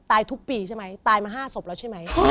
ทุกปีใช่ไหมตายมา๕ศพแล้วใช่ไหม